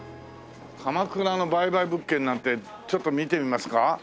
鎌倉の売買物件なんてちょっと見てみますか？